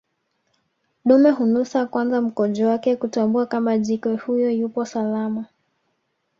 Dume hunusa kwanza mkojo wake kutambua kama jike huyo yupo salama